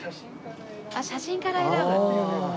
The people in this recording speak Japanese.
あっ写真から選ぶ。